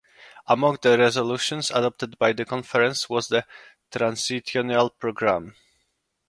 Among the resolutions adopted by the conference was the "Transitional Programme".